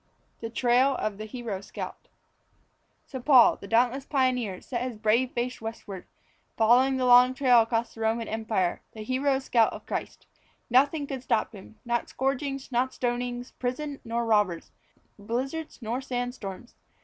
The Trail of the Hero Scout. So Paul the dauntless pioneer set his brave face westwards, following the long trail across the Roman Empire the hero scout of Christ. Nothing could stop him not scourgings nor stonings, prison nor robbers, blizzards nor sand storms.